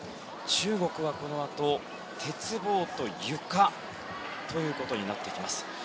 中国は、このあと鉄棒とゆかになってきます。